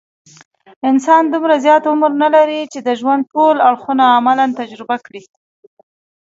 انسان دومره زیات عمر نه لري، چې د ژوند ټول اړخونه عملاً تجربه کړي.